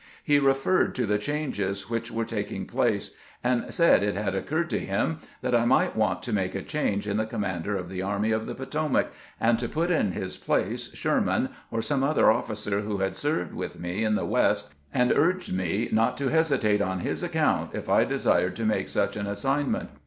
He referred to the changes which were taking place, and said it had occurred to him that I might want to make a change in the commander of the Army of the Potomac, and to put in his place Sherman or some other officer who had served with me in the West, and urged me not to hesitate on his account if I desired to make such an assignment.